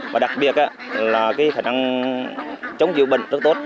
và đặc biệt là khả năng chống dịu bẩn rất tốt